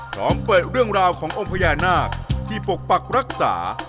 พร้อมเปิดเรื่องราวขององค์พญานาคที่ปกปักรักษา